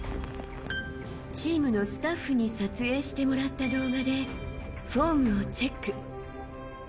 チームのスタッフに撮影してもらった動画でフォームをチェック。